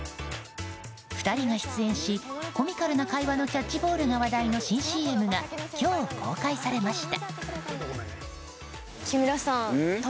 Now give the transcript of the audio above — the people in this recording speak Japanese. ２人が出演しコミカルな会話のキャッチボールが話題の新ＣＭが今日、公開されました。